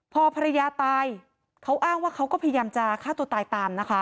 พอภรรยาตายเขาอ้างว่าเขาก็พยายามจะฆ่าตัวตายตามนะคะ